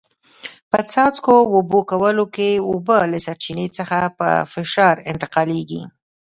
په څاڅکو اوبه کولو کې اوبه له سرچینې څخه په فشار انتقالېږي.